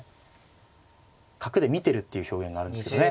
角で見てるっていう表現があるんですけどね。